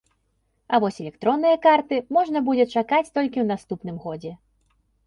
А вось электронныя карты можна будзе чакаць толькі ў наступным годзе.